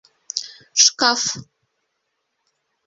Шкаф!